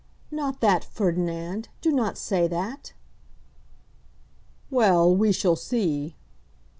"Not that, Ferdinand; do not say that!" "Well; we shall see."